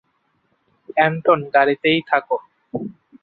এন্টন গাড়িতেই থাকো।